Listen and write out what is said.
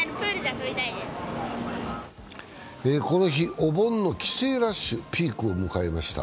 この日、お盆の帰省ラッシュピークを迎えました。